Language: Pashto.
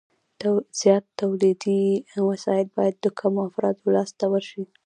زیات تولیدي وسایل باید د کمو افرادو لاس ته ورشي